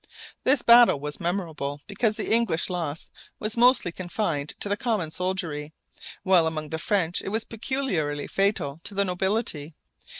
This battle was memorable because the English loss was mostly confined to the common soldiery, while among the French it was peculiarly fatal to the nobility.